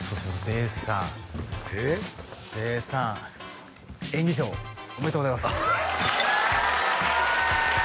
べーさん演技賞おめでとうございます